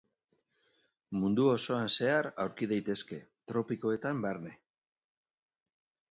Mundu osoan zehar aurki daitezke, tropikoetan barne.